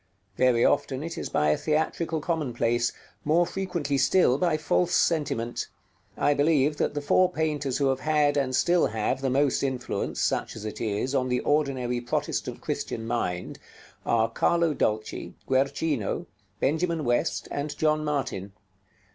Very often it is by a theatrical commonplace, more frequently still by false sentiment. I believe that the four painters who have had, and still have, the most influence, such as it is, on the ordinary Protestant Christian mind, are Carlo Dolci, Guercino, Benjamin West, and John Martin.